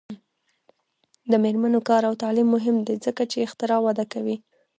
د میرمنو کار او تعلیم مهم دی ځکه چې اختراع وده کوي.